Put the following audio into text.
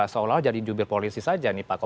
seolah olah jadi jubil polisi saja